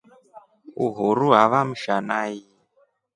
Uhuru avamsha nai.